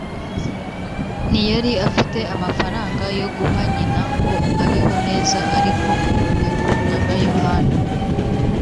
ntiyari afite amafaranga yo guha nyina ngo abeho neza; ariko yakundaga yohana,